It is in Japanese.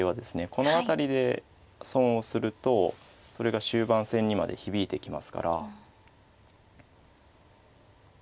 この辺りで損をするとそれが終盤戦にまで響いてきますから。